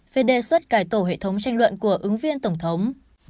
về đề xuất cải tổ hệ thống tranh luận của ứng viên tổng thống